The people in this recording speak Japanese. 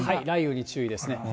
雷雨に注意です。